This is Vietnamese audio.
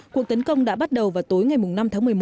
cuộc tấn công đã bắt đầu vào tối ngày năm tháng một mươi một